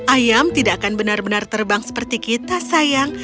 ayam tidak akan benar benar terbang seperti kita sayang